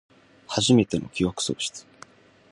はじめての記憶喪失